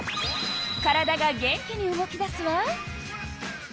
体が元気に動き出すわ。